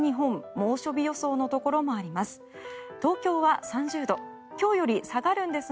猛暑日予想のところもあります。